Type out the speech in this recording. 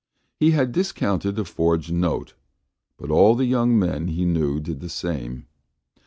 He had discounted a forged note. But all the young men he knew did the same.